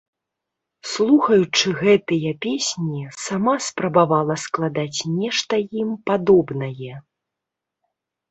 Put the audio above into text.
Слухаючы гэтыя песні, сама спрабавала складаць нешта ім падобнае.